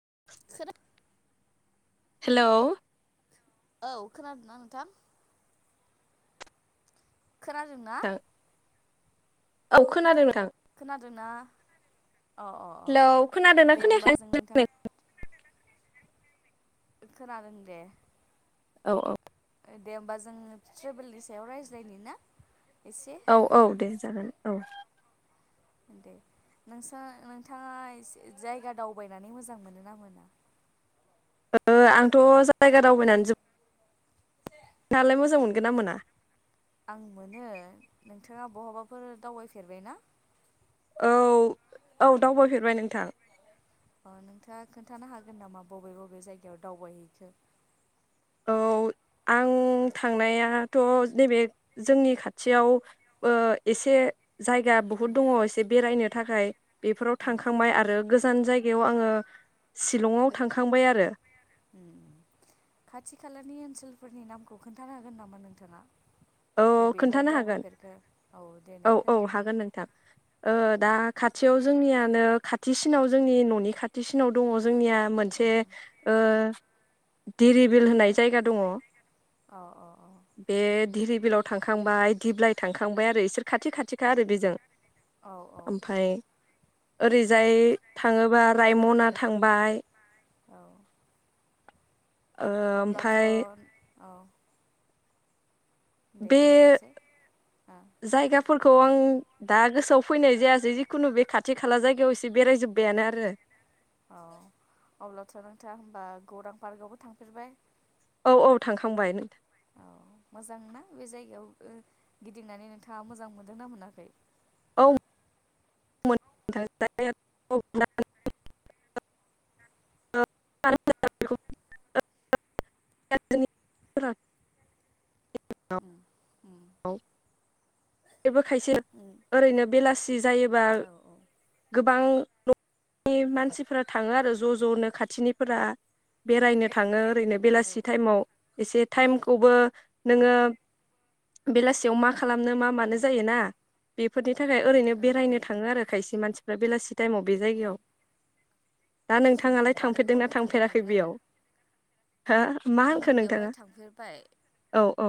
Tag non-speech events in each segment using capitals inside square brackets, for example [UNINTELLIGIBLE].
[UNINTELLIGIBLE] हेल' औ खोनादोंना नोंथां खोनादोंना नोंथां औ खोनादों नोंथां खोनादोंना? अ अ हेलौ अ खोनादोंना दे होमबा खोनायाखै जों नोंथां खोनादों दे औ औ दे होमबा जों ट्रेभेलनि सायाव रायज्लायनि ना एसे औ औ दे जागोन औ दे नोंसा नोंथाङासे जायगा दावबायनानै मोजां मोनोना मोना ओ आंथ' जायगा दावबायनानै जोबोद नोंथांङालाय मोजां मोनगोन ना मोना आं मोनो नोंथांङा बहाबाफोर दावबायफेरबायना? औ औ दावबायफेरबाय नोंथां अ नोंथांङा खोन्थानो हागोन नामा बबे बबे जायगायाव दावबायहैखो औ आं थांनायाथ' नैबे जोंनि खाथियाव ओ एसे जायगा बहुत ओं दंङ एसे बेरायनो थाखाय बेफोराव ओं ओं थांखांबाय आरो गोजान जाय गायाव आंङो सिलंआव थांखांबाय आरो। उम खाथि खालानि ओनसोलफोरनि नामखौ खोन्थानो हागोन नामा नोंथाङा? औ बबेयावहाय खोन्थानो हागोन दावबायफेरखो औ देनाय औ खोनथानायसाय। हागोन नोंथां ओ दा खाथियाव जोंनियानो खाथिसिनाव जोंनि न'नि खाथिसिनाव दंङ जोंनिया औ मोनसे ओ दिरिबिल होननाय जायगा दङ। अ अ अ। बे धिरिबिलाव थांखांबाय दिब्लाइ थांखांबाय आरो इसोर खाथि खाथिखा आरो बेजों। औ। ओमफाय ओरैजाय थाङोबा रायमना थांबाय औ। अब्लाथ' ओ-ओमफाय औ। दे बे बुंनायसै औ जायगाफोरख थ' आं दा गोसोआव फैनाय जायासै जिखुनु बे खाथि खाला जायगायाव एसे बेरायजोब्बायानो आरो। अ अब्लाथ' नोंथाङा होनबा गौरां पार्कआवबो थांफेरबाय? औ औ थांखांबाय नोंथां। औ मोजांना बे जायगायाव ओ गिदिंनानै नोंथाङा मोजां मोनदोंना मोनाखै? औ। थां [UNINTELLIGIBLE] [UNINTELLIGIBLE] ओम। आव बेबो खायसे उम ओरैनो बेलासि जायोबा औ औ गोबां न'नि मानसिफोरा थाङो आरो ज' ज'नो खाथिनिफोरा बेरायनो थाङो ओरैनो औ बेलासि टाइमाव एसे टाइमखौबो नोङो बेलासियाव मा खालामनो मा मा नो उम जायोना बेफोरनि नि थाखाय ओरैनो औ औ बेरायनो थाङो आरो खायसे मानसि फ्रा बेलासि टाइम आव बे औ जायगायाव दा समखौ नोंथाङालाय थांफेरदोंना बारहोहरनो थाखाय थांफेराखै थाङो आरो बेयाव? हो मा आं होनखो बेवहाय नोंथाङा थांफेरबाय,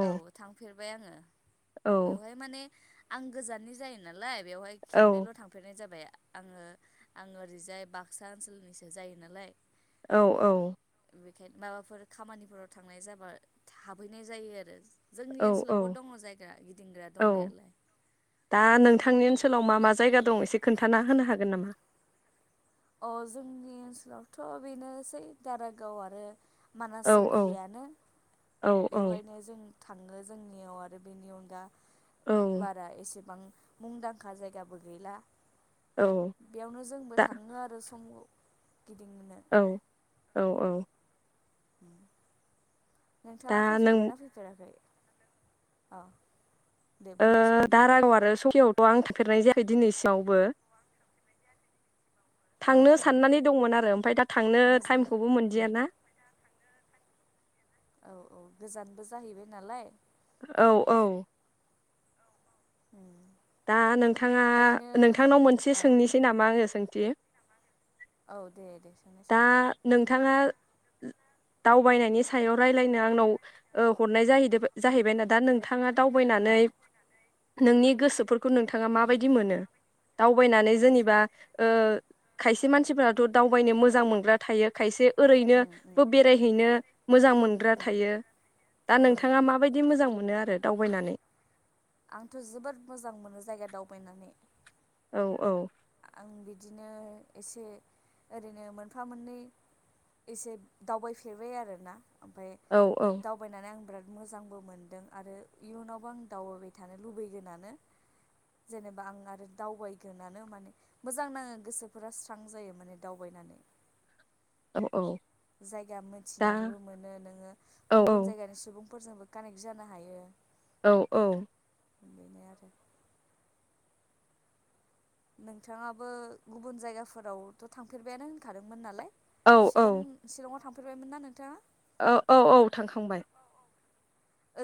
औ थांफेरबाय आङो। औ बेवहाय माने आं गोजाननि जायो नालाय। बेवहाय औ खेबनैल' थांफेरनाय जाबाय। आङो-आङो ओरैजाय बाक्सा ओनसोलनिसो जायो नालाय। औ-औ बेखायनो माबाफोर खामानिफोराव थांनाय जाबा हाबहैनाय जायो आरो। जोंनि ओनसोलावबो दङ जायगा गिदिंग्रा औ-औ-औ दंनायालाय दा नोंथांनि ओनसोलाव मा मा जायगा द - दं एसे खोनथाना होनो हागोन नामा? अ जोंनि ओनसोलावथ' बेनोसै दारागाव आरो मानास औ सौखियानो औ औ बेवहायनो जों थाङो जोंनियाव आरो बेनि अनगा औ बारा एसेबां मुंदांखा जायगाबो गैला औ बेयावनो जोंबो थां थाङो आरो समाव औ-औ-औ दा नोंथाङा नों फैफेरबाय ना फैफेराखै? औ दे ओ बुंनायसै दारागाव आरो सखि अ आं थांफेरनाय जायाखै दिनैसिमयावबो औ थांनो औ साननानै दंमोन आरो ओमफाय दा थांनो मोजां टाइमखौबो उम मोनदियाना। औ-औ गोजानबो जाहैबाय नालाय। औ-औ उम दा नोंथाङा ओरैनो नोंथांनाव मोनसे औ सोंनोसै नामा आङो सों थि औ दे-दे दा नों नोंथाङा दावबायनायनि सायाव रायलायनो आंनाव ओ हरनाय जाहैदों जाहैबायना दा नोंथाङा औ दावबायनानै नोंनि गोसोफोर खौ नोंथाङा माबायदि मोनो? दावबायनानै जेनेबा ओ खायसे मानसिफोराथ' दावबायनो मोजां मोजां मोनग्रा थायो खायसे ओरैनो उम उम बो बेरायहैनो मोजां मोनग्रा उम थायो दा औ नोंथाङा माबायदि मोजां मोनो रो दावबायनानै आंथ' जोबोद मोजां मोनो जायगा दावबायनानै औ औ आं बिदिनो एसे ओरैनो मोनफा मोननै एसे दावबायफेरबाय आरो ना ओमफ्राय औ औ दावबायनानै आं बिराद मोजांबो मोनदों आरो इयुनावबो आं दावबायबाय थानो लुबैगोनानो जेनेबा आं आरो दावबायगोनानो माने मोजां नाङो गोसोफोरा स्रां जायो माने दावबायनानै औ औ। जायगा दा मोनथिनानैबो मोनो नोङो औ गुबुन औ जायगानि सुबुं फोरजोंबो कानेक्ट जानो हायो औ औ बेनो आरो नोंथाङाबो गुबुन जायगाफोरावथ' थांफेरबायानो होनखादोंमोन नालाय सिलं-सिलङाव थां फेरबायमोनना नोंथाङा? अ औ औ थांखांबाय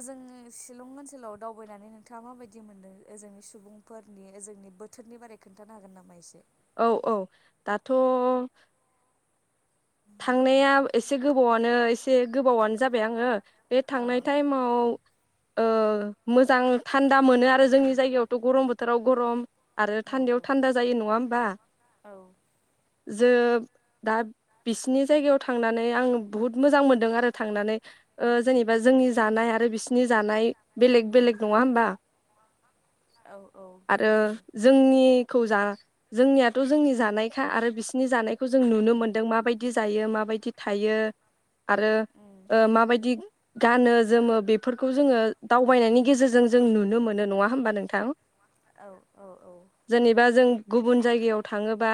ओजों सिलं ओनसोलाव दावबायनानै नोंथाङा माबायदि मोनदों ओजोंनि सुबुंफोरनि ओजोंनि बोथोरनि बारै खोन्थानो हागोन नामा एसे? औ औ दाथ' थांनाया एसे गोबावानो एसे गोबावानो जाबाय आङो बे औ थांनाय टाइमाव ओ मोजां थान दा मोनो आरो औ जोंनि जायगायावथ' गरम बो थोराव गरम आरो औ थान्दायाव थान्दा जायो नङा होमबा? औ ओं जोब दा बिसिनि जायगायाव थांनानै आं बुहुत मोजां मोनदों आरो थांनानै ओ ओं जेनेबा जोंनि जानाय आ रो बिसिनि जानाय बेलेग उम बेलेग नङा होमबा? औ आरो गुबुन जायो जोंनिखौ जा जोंनिया थ' जोंनि जानायखा आरो बिस नि जानायखौ जों उम नुनो मोनदों माबायदि जायो मा बाय थि थायो आरो उम ओ माबायदि गानो जोमो बेफोरखौ जोङो दावबायनायनि उम गेजेरजों जों नुनो मोनो नङा होमबा नोंथां? औ औ औ जेनेबा जों गुबुन जायगायाव थाङोबा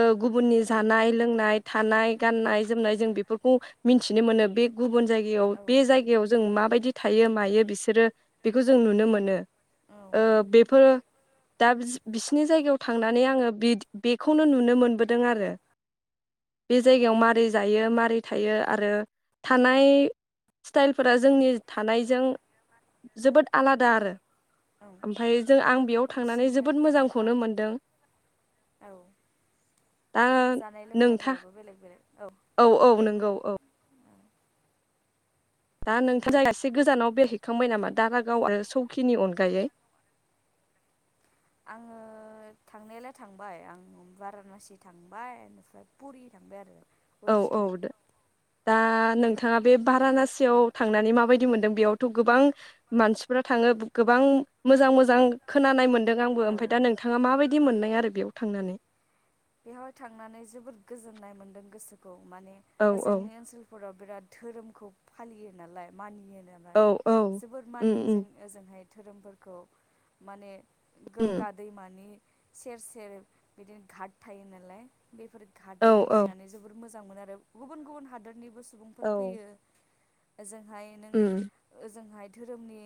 ओ गुबुननि औ जानाय लोंनाय थानाय गाननाय जोमनाय जों बेफोरखौ मिनथिनो मोनो बे गुबुन जाय याव औ बे जायगायाव जों माबाय बिदि थायो मायो बिसोरो बेखौ जों नुनो मोनो औ ओ मोनो बेफ [UNINTELLIGIBLE] दा बिसिनि जायगायाव थांनानै आङो बेखौनो नुनो मोनबोदों आरो बे जायगायाव मारै जायो मारै थायो आरो थानाय स्टाइलफोरा औ जोंनि थानायजों जोबोद आलादा आरो औ ओमफाय जों आं बेयाव थांनानै बिसिनिजों जोबोद मोजांखौनो मोनदों औ दा जानाय नोंथा लोंनायफोराबो बेलेग बेलेग औ औ दे बुं नंगौ औ दा नोंथां दे जाया एसे गोजानाव उम बेरहैखांबाय नामा दा गाव आरो सौखिनि अनगायै आङो थांनायालाय थांबाय आं भारानासि थांबाय इनिफ्राय पुरि थांबाय आरो औ औ उरिस्सायाव द दा नोंथाङा बे भारानसियाव थांनानै माबायदि मोनदों बेयावथ' गोबां मानसिफोरा थाङो गोबां मोजां मोजां खोनानाय मोन ओं आंबो ओमफ्राय औ दा नोंथाङा माबायद [UNINTELLIGIBLE] मोन्दों आरो बेयाव थांनानै बेवहाय थांनानै जोबोद गोजोननाय मोन्दों गोसोखौ माने औ औ ओजोंनि ओनसोलफोराव बिराद धोरोमखौ फालियो नालाय मानियो औ औ [UNINTELLIGIBLE] जोबोर उम मानियो उम जों ओजोंहाय धोरोमफोरखौ माने उम गोंगा दैमानि सेर सेर बिदिनो घाट थायो नालाय बेफोर औ घाटआव औ गिदिंनानै जोबोर मोज जानो मोन आरो गुबुन गुबुन हादोरनिबो सु सुबुंफोर औ फैयो ओजों हाय नों उम ओजोंहाय धोरोमनि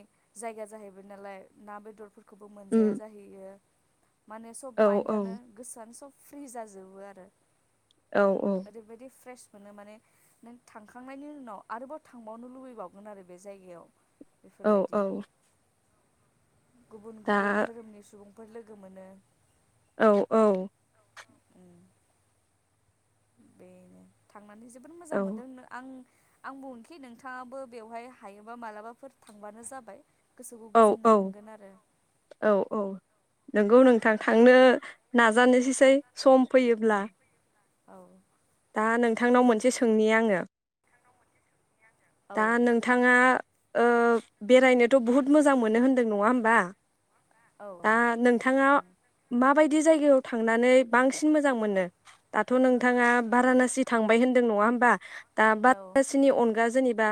जायगा जाहैबाय नालाय ना बेदरफोर खौबो मोनजाया उम जाहैयो मानो सब औ माइन्दानो गोसोआनो सब फ्रि जाजोबो आरो। औ औ ओरैबायाददि फ्रेश बेखौनो माने नों थांखांनायनि उनाव आरोबाव थांबावनो लुबैबावगोन आरो बे जायगायाव औ बेफोरबायदि औ गुबुन गुबुन दा धोरोमनि सुबुं फोर लोगो मोनो औ औ। उम। बेनो थाख मानै जोबोद औ मोजां मोनदोंनो आं आं बुंनखि नोंथाङाबो बेवहाय हायोबा मालाबाफोर थांबानो जाबाय गोसोखौ औ गोजोननाय औ मोनगोन आरो औ औ। नोंगौ उम नोंथां थांनो नाजानोसोसै सम फैयोब्ला औ। दा नोंथांनाव मोनसे सोंनि आङो औ दा दे नोंथाङा ओ बेरायनोथ' बुहुत मोजां मोनो उम होन्दों नङा होमबा? औ दा नोंथाङा माबायद दि जायगायाव थांनानै बांसिन मोजां मोनो दाथ' नोंथाङा बारानासि थांबाय होनदों नङा होमबा? दा औ बादसिनि अनगा जोनि बा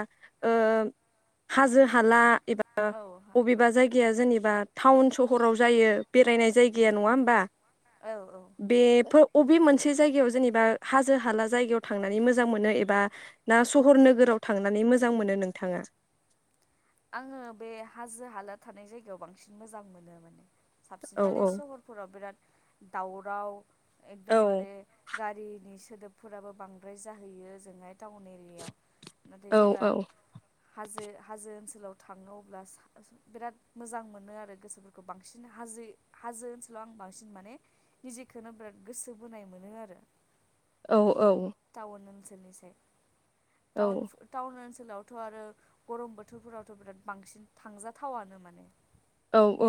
ओ हाजो हाला एबा ब'बेबा जायगाया जेनिब बा टाउन सहराव जायो बेरायनाय उम जायगाया नङा उम होमबा औ औ बेफो अ'बे मोनसे जायगायाव जेनेबा हाजो हाला जायगायाव थांनानै मोजां मोनो एबा ना सहर नोगोराव थांनानै मोजां मोनो नोंथाङा। आङो बे हाजो हाला थानाय जायगायाव बांसिन मोजां मोनो माने साबसिन औ माने औ सहरफोराव बिराद दावराव औ एकदमबारे गारिनि सोदोबफोराबो बांद्राय जाहैयो जोंहाय टाउन एरियायाव। नाथाय औ जेबा औ हाजो हाजो [UNINTELLIGIBLE] थाङो अब्ला बिराद मोजां मोनो आरो गोसोफोरखौ बांसिन हाजो हाजो ओनसोलाव आं बांसिन माने निजिखोनो बिराद गोसो बोनाय मोनो आरो। औ औ। निसाय औ टाउन [UNINTELLIGIBLE] सोलावथ' आरो गरम बोथोरफोराव थ' बिराद बांसिन थांजाथावानो माने। औ औ।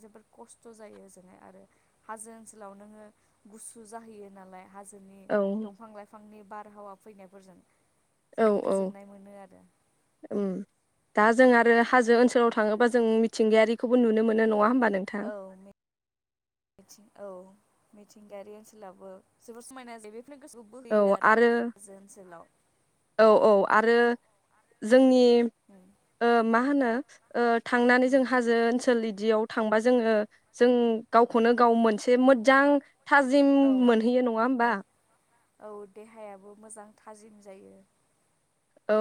जोबोद खस्थ जायो ओजोंहाय आरो हाजो ओनसोलाव नोङो गुसु जाहैयो नालाय हाजोनि औ दंफां लाइफां फांनि बारहावा फैनायफोरजों। औ जोबोद औ गोजोननाय मोनो आरो उम दा जों आरो हाजो ओनसोलाव थाङोबा जों मिथिंगायारिखौबो नुनो मोनो नङा होमबा। नोंथां औ [UNINTELLIGIBLE] औ। मिथिंगायारि ओनसोलावबो जोबोर समायना जायो। गोसोखौ बोहोयो आरो हाजो ओनसोलाव। [UNINTELLIGIBLE] नि उम ओ मा होनो ओ थांनानै जों उम हाजो ओनसोल इदियाव थांबा जोङो जों गावखौनो गाव मोनसे मोजां। थाजिम औ मोनहैयो नङा होमबा। औ औ देहायाबो मोजां थाजिम जायो। औ।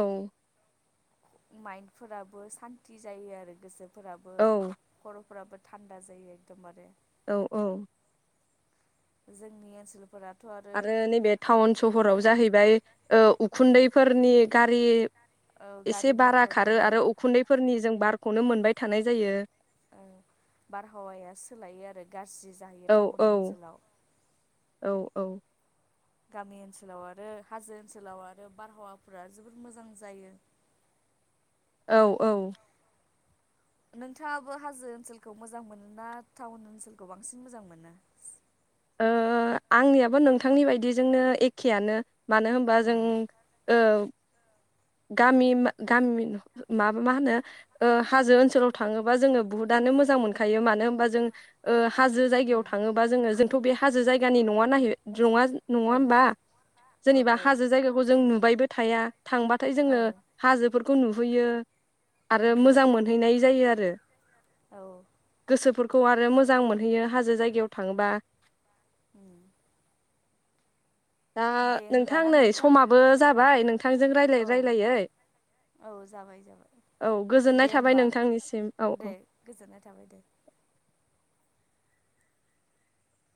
माइन्दफोराबो सान्ति जायो आरो गोसो। फोराबो औ खर'फोराबो। थान्दा जायो एकदमबारे। औ औ। जोंनि ओनसोलफोरा आरो नैबे टाउन सहराव जाहैबाय ओ उम उखुन्दैफोरनि गा ओ [UNINTELLIGIBLE] गारि एसे बारा मथरनि खारो आरो उखुन्दैफोरनि जों बारखौनो मोनबाय थानाय जायो। ओ सि जायो औ टाउन औ ओनसोलाव। औ औ। गामि ओनसोलाव आरो हाजो ओनसोलाव आरो बारहावाफोरा जोबोर मोजां जायो। औ औ नोंथाङाबो हाजो ओनसोलखौ मोजां मोनो ना टाउन ओनसोलखौ बांसिन मोजां मोनो। ओ आंनियाबो नोंथांनि बायदिजोंनो एखेयानो। मानो होमबा जों उम औ गामि गामि माब मा होनो हाजो ओनसोलाव थाङोबा जोङो बुहुतनो मोजां मोनखायो मानो होनबा जों ओ हाजो जायगायाव उम थाङोबा जोङो जोंथ' बे हाजो जायगानि नङा नायहो नङा नङा औ होमबा औ जेनेबा औ हाजो जायगाखौ जों नुबायबो थाया थांबा औ जोङो हाजोफोरखौ नुहैयो। आरो उम मोजां मोनहैनाय जायो आरो औ गोसोफोर खौ आरो मोजां मोनहैयो हाजो जायगायाव थाङोबा। उम दा दे नोंथां होमबाना नै समाबो औ जाबाय नोंथांजों औ रायलाय औ जाबाय जाबाय औ गोजोननाय दे थाबाय होमबा नोंथांनिसिम औ दे गोजोननाय थाबाय दे।